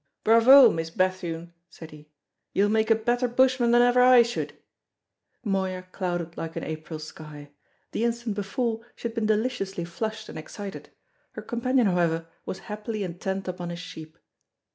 "Bravo, Miss Bethune!" said he. "You'll make a better bushman than ever I should." Moya clouded like an April sky; the instant before she had been deliciously flushed and excited. Her companion, however, was happily intent upon his sheep.